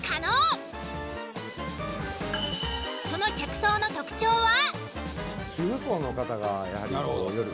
その客層の特徴は？